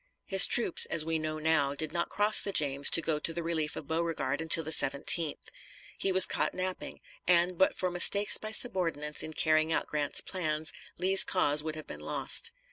His troops, as we know now, did not cross the James, to go to the relief of Beauregard until the 17th. He was caught napping, and, but for mistakes by subordinates in carrying out Grant's plans, Lee's cause would have been lost.